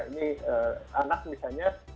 ini anak misalnya